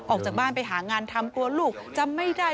ออกจากบ้านไปหางานทำกลัวลูกจำไม่ได้